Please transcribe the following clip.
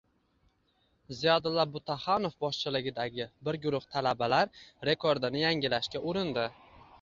Ziyodulla Butaxonov boshchiligidagi bir guruh talabalar rekordini yangilashga urindi.